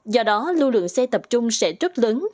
do đó lưu lượng xe tập trung sẽ rất lớn